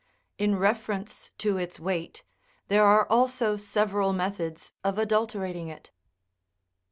In reference to its weight, there are also several methods of adulterating it.